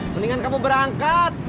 mendingan kamu berangkat